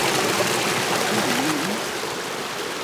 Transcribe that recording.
Ínuu.